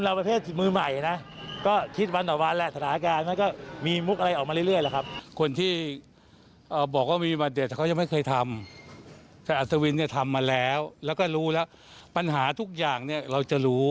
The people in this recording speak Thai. แล้วก็รู้แล้วปัญหาทุกอย่างเราจะรู้